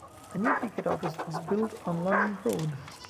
A new ticket office was built on London Road.